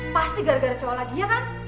pasti gara gara cowok lagi ya kan